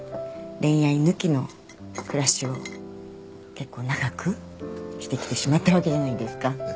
恋愛抜きの暮らしを結構長くしてきてしまったわけじゃないですか。